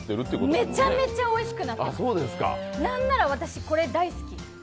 めちゃめちゃおいしくなってる、なんなら私大好き。